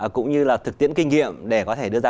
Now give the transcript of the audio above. cũng như là thực tiễn kinh nghiệm để có thể đưa ra